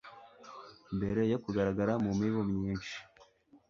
mbere yo kugaragara mu mibu myinshi